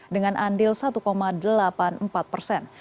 dengan andil satu delapan puluh empat persen